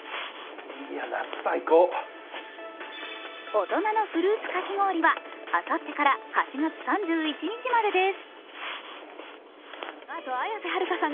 大人のフルーツかき氷はあさってから８月３１日までです。